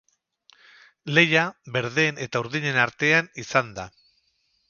Lehia berdeen eta urdinen artean izan da.